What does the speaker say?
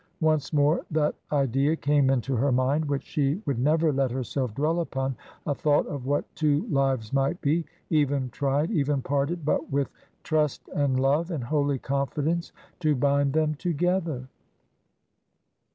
Once more that idea came into her mind, which she would never let herself dwell upon, a thought of what two lives might be, even tried, even parted, but with trust and love and holy confidence to bind them together.